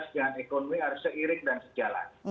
dengan ekonomi harus seirik dan sejalan